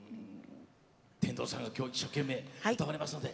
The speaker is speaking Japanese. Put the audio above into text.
天童さんが今日、一生懸命歌われますので。